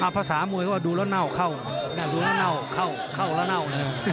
ภาษามวยก็ดูแล้วเน่าเข้าดูแล้วเน่าเข้าเข้าแล้วเน่าเลย